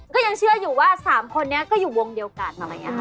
ก็ยังเชื่ออยู่ว่า๓คนนี้ก็อยู่วงเดียวกัน